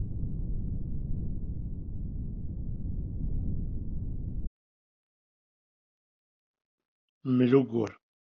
Ayen ay tzerɛeḍ, ad t-tmegreḍ.